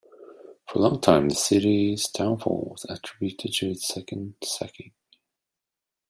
For a long time, the city's downfall was attributed to its second sacking.